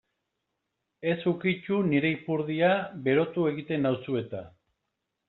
Ez ukitu nire ipurdia berotu egiten nauzu eta.